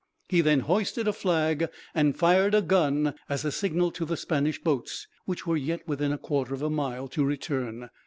He then hoisted a flag and fired a gun, as a signal to the Spanish boats, which were yet within a quarter of a mile, to return.